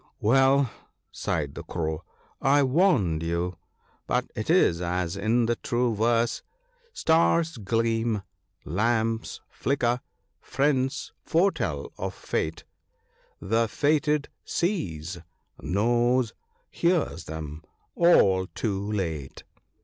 " Well," sighed the Crow, " I warned you ; but it is as in the true verse, —" Stars gleam, lamps flicker, friends foretell of fate ; The fated sees, knows, hears them — all too late."